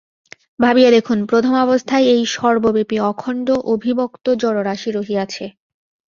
ভাবিয়া দেখুন, প্রথমাবস্থায় এই সর্বব্যাপী অখণ্ড অবিভক্ত জড়রাশি রহিয়াছে।